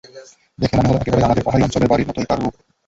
দেখে মনে হলো, একেবারেই আমাদের পাহাড়ি অঞ্চলের বাড়ির মতোই তার রূপ।